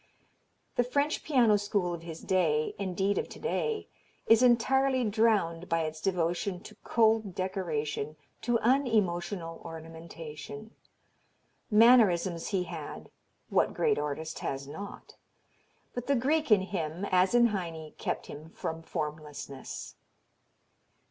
The French piano school of his day, indeed of today, is entirely drowned by its devotion to cold decoration, to unemotional ornamentation. Mannerisms he had what great artist has not? but the Greek in him, as in Heine, kept him from formlessness.